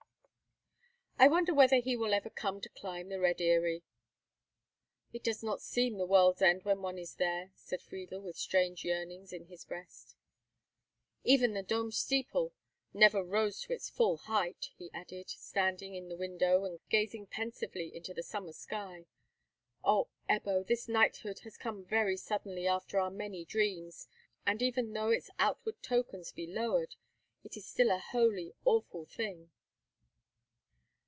I wonder whether he will ever come to climb the Red Eyrie." "It does not seem the world's end when one is there," said Friedel, with strange yearnings in his breast. "Even the Dom steeple never rose to its full height," he added, standing in the window, and gazing pensively into the summer sky. "Oh, Ebbo! this knighthood has come very suddenly after our many dreams; and, even though its outward tokens be lowered, it is still a holy, awful thing."